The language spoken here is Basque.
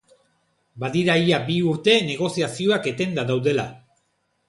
Badira ia bi urte negoziazioak etenda daudela.